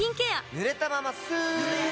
ぬれたままスッ！